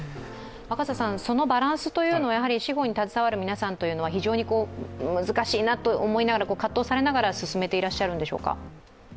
そのバランスというのは司法に携わる皆さんは非常に難しいなと思いながら葛藤されながら進めていらっしゃるんでしょうか？